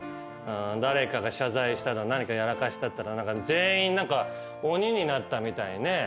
誰かが謝罪しただ何かやらかしたったら全員鬼になったみたいにね